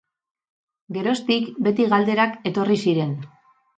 Geroztik beti galderak etorri ziren.